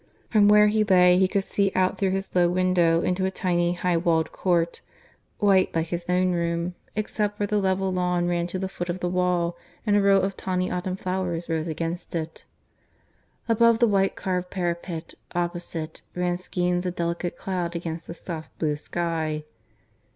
From where he lay he could see out through his low window into a tiny high walled court, white like his own room, except where the level lawn ran to the foot of the wall and a row of tawny autumn flowers rose against it. Above the white carved parapet opposite ran skeins of delicate cloud against the soft blue sky.